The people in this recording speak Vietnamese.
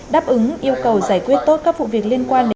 đáp ứng yêu cầu giải quyết tốt các vụ việc liên quan